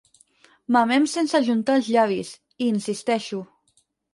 Mamem sense ajuntar els llavis, hi insisteixo.